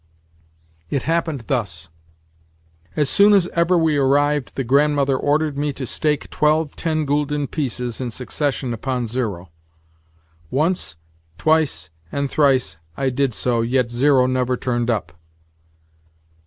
It happened thus: As soon as ever we arrived the Grandmother ordered me to stake twelve ten gülden pieces in succession upon zero. Once, twice, and thrice I did so, yet zero never turned up.